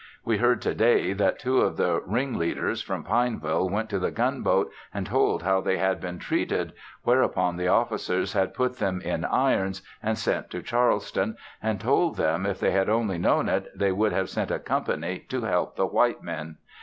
We heard today that two of the ring leaders from Pineville went to the Gunboat and told how they had been treated, whereupon the officers had them put in irons and sent to Charleston, and told them, if they had only known it, they would have sent a company to help the white men.